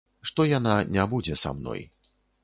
Што яна не будзе са мной.